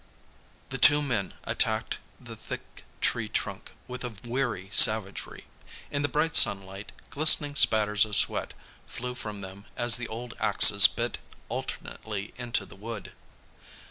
_] The two men attacked the thick tree trunk with a weary savagery. In the bright sunlight, glistening spatters of sweat flew from them as the old axes bit alternately into the wood.